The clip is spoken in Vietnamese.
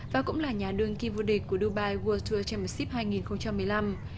và cũng là nhà đương kỳ vua địch của dubai world tour championship hai nghìn một mươi năm